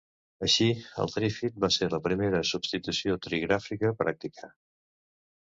Així, el Trifid va ser la primera substitució trigràfica pràctica.